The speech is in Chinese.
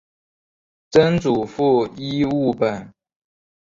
曾祖父尹务本。